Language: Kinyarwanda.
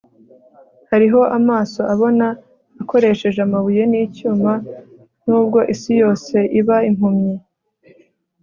Hariho amaso abona akoresheje amabuye nicyuma nubwo isi yose iba impumyi